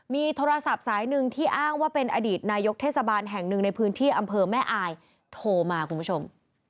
มีโทรศัพท์สายหนึ่งที่อ้างว่าเป็นอดีตนายกเทศบาลแห่งหนึ่งในพื้นที่อำเภอแม่อายโทรมาคุณผู้ชม